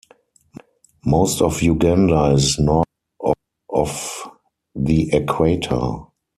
Most of Uganda is north of the equator.